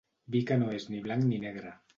Vi que no és ni blanc ni negre.